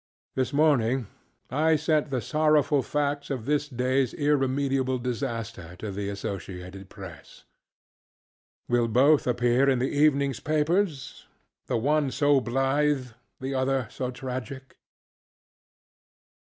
This morning I sent the sorrowful facts of this dayŌĆÖs irremediable disaster to the Associated Press. Will both appear in this eveningŌĆÖs papers? ŌĆöthe one so blithe, the other so tragic?